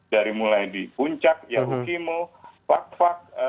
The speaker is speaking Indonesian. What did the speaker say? dari mulai di puncak yahukimo wakfak